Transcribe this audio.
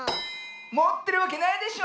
もってるわけないでしょ。